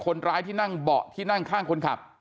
คนร้ายที่นั่งเบาะที่นั่งข้างคนขับ